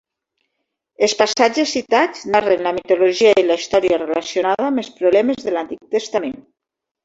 Els passatges citats narren la mitologia i la història relacionada amb els problemes de l'Antic Testament.